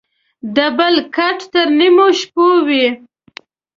دبل کټ تر نيمو شپو وى.